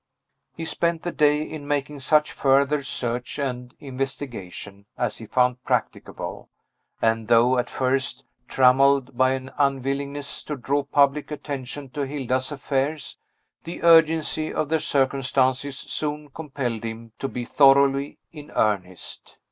He spent the day in making such further search and investigation as he found practicable; and, though at first trammelled by an unwillingness to draw public attention to Hilda's affairs, the urgency of the circumstances soon compelled him to be thoroughly in earnest.